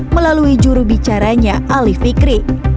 melalui jurubicaranya ali fikri